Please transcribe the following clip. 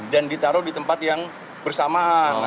dan ditaruh di tempat yang bersamaan